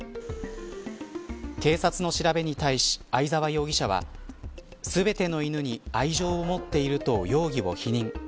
警察の調べに対し相沢容疑者は全ての犬に愛情を持っていると容疑を否認。